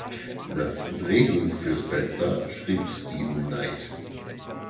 Das Drehbuch für "Spencer" schrieb Steven Knight.